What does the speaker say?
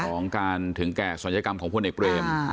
ของการถึงแก่ศัลยกรรมของพลเอกเบรม